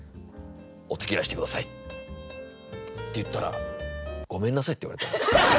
お付き合いして下さい」って言ったら「ごめんなさい」って言われたのよ。